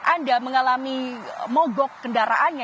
anda mengalami mogok kendaraannya